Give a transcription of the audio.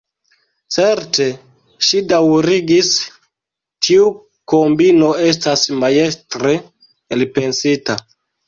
Certe, ŝi daŭrigis, tiu kombino estas majstre elpensita.